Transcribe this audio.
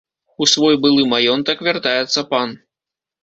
У свой былы маёнтак вяртаецца пан.